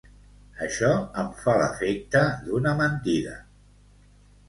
Això em fa l'efecte d'una mentida.